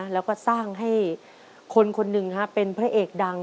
แล้วก็สร้างให้คนคนหนึ่งเป็นพระเอกดัง